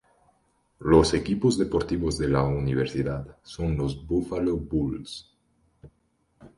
Los equipos deportivos de la universidad son los Buffalo Bulls.